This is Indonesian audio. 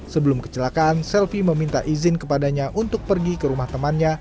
sebelum kecelakaan selvi meminta izin kepadanya untuk pergi ke rumah temannya